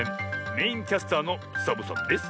メインキャスターのサボさんです！